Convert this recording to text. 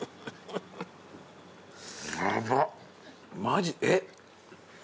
マジえっ！